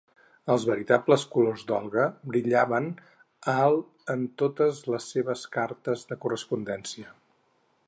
Els veritables colors d'Olga brillaven al en totes les seves cartes de correspondència.